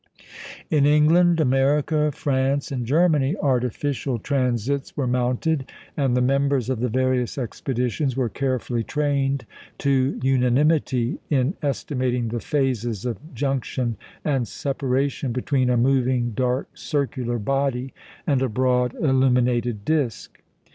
In England, America, France, and Germany, artificial transits were mounted, and the members of the various expeditions were carefully trained to unanimity in estimating the phases of junction and separation between a moving dark circular body and a broad illuminated disc.